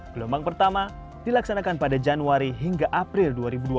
gelombang pertama dilaksanakan pada januari hingga april dua ribu dua puluh